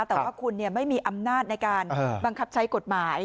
แต่ว่าคุณไม่มีอำนาจในการบังคับใช้กฎหมาย